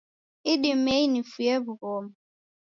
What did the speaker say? Idimei nifuye w'ughoma